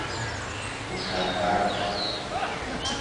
مشبک